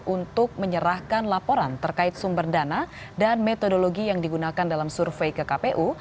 untuk menyerahkan laporan terkait sumber dana dan metodologi yang digunakan dalam survei ke kpu